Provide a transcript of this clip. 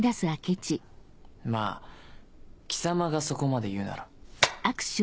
まぁ貴様がそこまで言うなら。